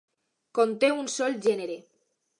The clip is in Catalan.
Conté un sol gènere.